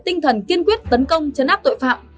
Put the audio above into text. tinh thần kiên quyết tấn công chấn áp tội phạm